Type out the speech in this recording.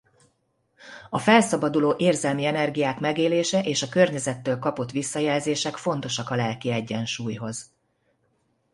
A felszabaduló érzelmi energiák megélése és a környezettől kapott visszajelzések fontosak a lelki egyensúlyhoz.